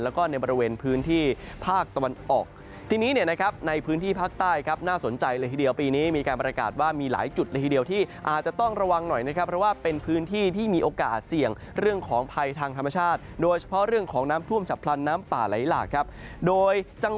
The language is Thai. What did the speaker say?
แล้วก็ในบริเวณพื้นที่ภาคตะวันออก